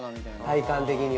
体感的に。